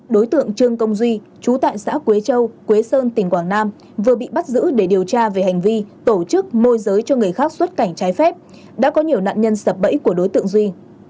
đối tượng trương công duy chú tại xã quế châu quế sơn tỉnh quảng nam vừa bị bắt giữ để điều tra về hành vi tổ chức môi giới cho người khác xuất cảnh trái phép đã có nhiều nạn nhân sập bẫy của đối tượng duy